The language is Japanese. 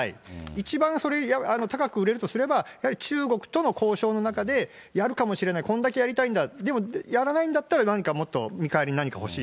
一番高く売れるとすれば、やはり中国との交渉の中でやるかもしれない、こんだけやりたいんだ、でもやらないんだったらなんかもっと見返りに何か欲しい。